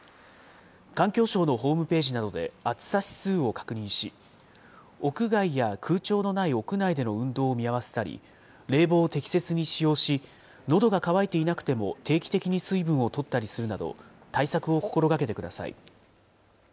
環境省のホームページなどで暑さ指数を確認し、屋外や空調のない屋内での運動を見合わせたり、冷房を適切に使用し、のどが渇いていなくても定期的に水分をとったりするなど、対策を心がけてください。